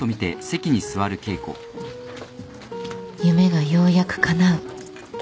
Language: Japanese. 夢がようやくかなう